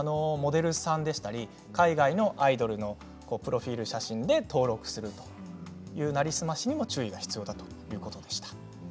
モデルさんでしたり海外のアイドルのプロフィール写真で登録する成り済ましにも注意が必要だということです。